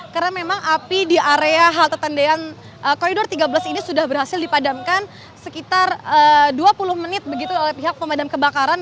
karena memang api di area halte tendean koridor tiga belas ini sudah berhasil dipadamkan sekitar dua puluh menit begitu oleh pihak pemadam kebakaran